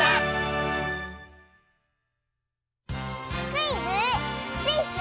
「クイズ！